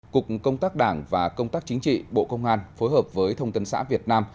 cục công tác đảng và công tác chính trị bộ công an phối hợp với thông tấn xã việt nam